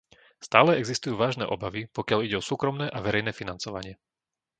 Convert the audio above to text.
Stále existujú vážne obavy, pokiaľ ide o súkromné a verejné financovanie.